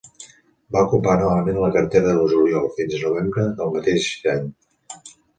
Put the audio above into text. Va ocupar novament la cartera al juliol fins a novembre del mateix any.